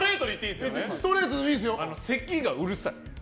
せきがうるさい。